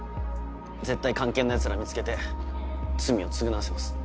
絶対菅研のヤツら見つけて罪を償わせます。